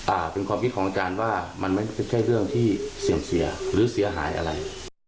อ่าเป็นความคิดของอาจารย์ว่ามันไม่ใช่เรื่องที่เสื่อมเสียหรือเสียหายอะไร